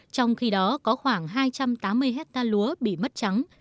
trong khi đó có khoảng hai trăm tám mươi hectare lúa bị mất trắng